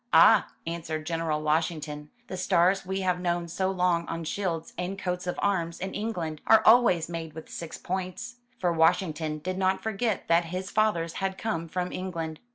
"Ah," answered General Washington, "the stars we have known so long on shields and coats of arms in England, are always made with six points." For Washington did not forget that his fathers had come from England.